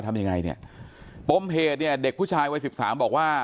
ทำยังไงเนี่ยปมเหตุเนี่ยเด็กผู้ชายวัยสิบสามบอกว่า